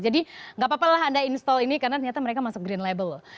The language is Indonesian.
jadi gak apa apa lah anda install ini karena ternyata mereka masuk green label loh